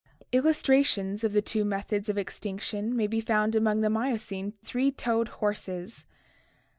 Illustrations of the two methods of extinction may be found among the Miocene three toed horses.